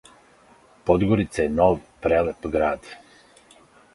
Подгорица је нов, прелијеп град.